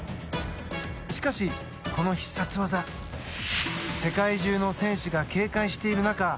しかし、この必殺技世界中の選手が警戒している中